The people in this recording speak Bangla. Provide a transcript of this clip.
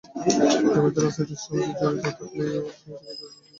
জামায়াতের রাজনীতির সঙ্গে জড়িত থাকলেও কোনো ধরনের নাশকতার সঙ্গে জড়িত ছিলেন না।